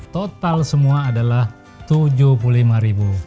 total semua adalah tujuh puluh lima ribu